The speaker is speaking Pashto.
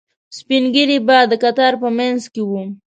سپینږیري به د کتار په منځ کې وو.